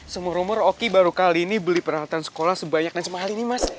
semua rumor oki baru kali ini beli peralatan sekolah sebanyak dan semahal ini mas